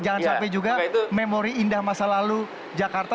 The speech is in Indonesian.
jangan sampai juga memori indah masa lalu jakarta